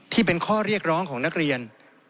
ที่เป็นข้อเรียกร้องของนักเรียน